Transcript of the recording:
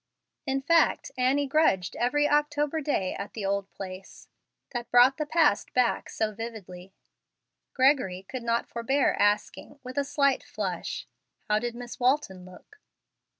In fact, Annie grudged every October day at the old place, that brought back the past so vividly. Gregory could not forbear asking, with a slight flush, "How did Miss Walton look?"